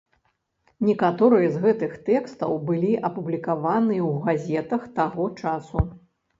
Некаторыя з гэтых тэкстаў былі апублікаваныя ў газетах таго часу.